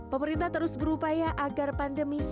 pemerintah terus berupaya agar pandemi selesai